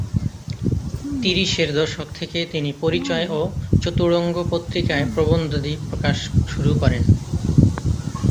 তিরিশের দশক থেকে তিনি পরিচয় ও চতুরঙ্গ পত্রিকায় প্রবন্ধাদি প্রকাশ শুরু করেন।